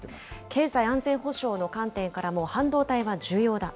経済・安全保障の観点からも半導体は重要だ。